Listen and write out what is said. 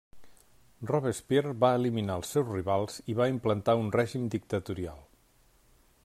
Robespierre va eliminar als seus rivals i va implantar un règim dictatorial.